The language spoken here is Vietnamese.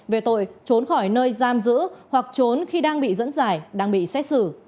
về tội trốn khỏi nơi giam giữ hoặc trốn khi đang bị dẫn giải đang bị xét xử